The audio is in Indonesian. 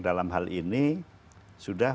dalam hal ini sudah